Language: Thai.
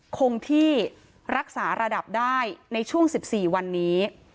คงที่รักษาระดับได้ในช่วง๑๔วันนี้